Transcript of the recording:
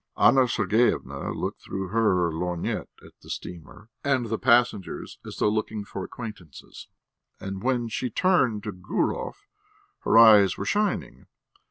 Anna Sergeyevna looked through her lorgnette at the steamer and the passengers as though looking for acquaintances, and when she turned to Gurov her eyes were shining.